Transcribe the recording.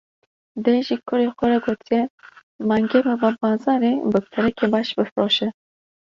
Dê ji kurê xwe re gotiye: Mangê bibe bazarê, bi perekî baş bifroşe.